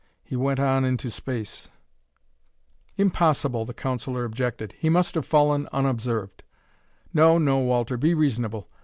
He went on into space." "Impossible!" the counsellor objected. "He must have fallen unobserved. No, no, Walter; be reasonable.